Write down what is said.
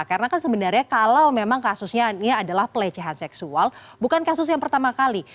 karena kan sebenarnya kalau memang kasusnya ini adalah pelecehan seksual bukan kasus yang pertama kali